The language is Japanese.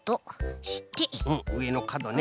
うんうえのかどね。